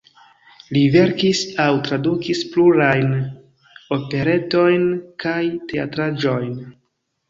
Li verkis aŭ tradukis plurajn operetojn kaj teatraĵojn.